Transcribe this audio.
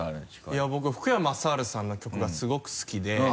いや僕福山雅治さんの曲がすごく好きで。